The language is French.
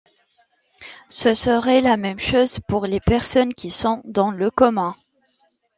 Ce serait la même chose pour les personnes qui sont dans le coma.